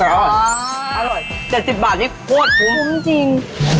อร่อย๗๐บาทคุ้มคุ้มจริง